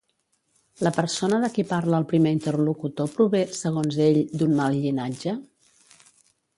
La persona de qui parla el primer interlocutor prové, segons ell, d'un mal llinatge?